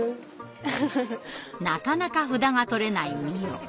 なかなか札が取れない美音。